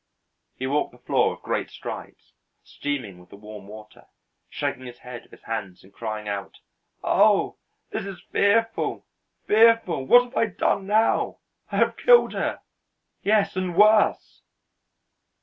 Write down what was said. He walked the floor with great strides, steaming with the warm water, striking his head with his hands and crying out, "Oh, this is fearful, fearful! What have I done now? I have killed her; yes, and worse!"